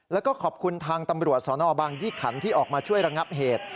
แล้วก็ขอบคุณทางตำรวจสนบางยี่ขันที่ออกมาช่วยระงับเหตุ